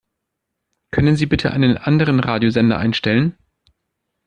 Können Sie bitte einen anderen Radiosender einstellen?